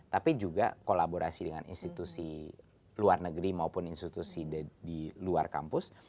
tapi juga kolaborasi dengan institusi luar negeri maupun institusi di luar kampus